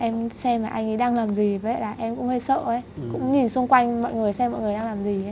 em xem là anh ấy đang làm gì vậy là em cũng hơi sợ ấy cũng nhìn xung quanh mọi người xem mọi người đang làm gì ấy